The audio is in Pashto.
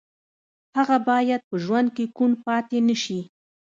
هغه باید په ژوند کې کوڼ پاتې نه شي